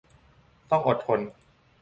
ต้องอดทน